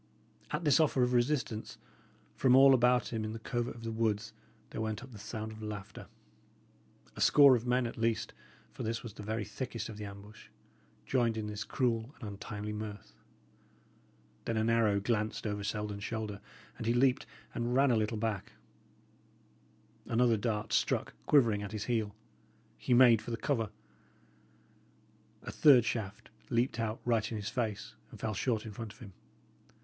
At this offer of resistance, from all about him in the covert of the woods there went up the sound of laughter. A score of men, at least, for this was the very thickest of the ambush, joined in this cruel and untimely mirth. Then an arrow glanced over Selden's shoulder; and he leaped and ran a little back. Another dart struck quivering at his heel. He made for the cover. A third shaft leaped out right in his face, and fell short in front of him.